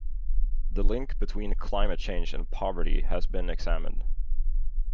The link between climate change and poverty has been examined.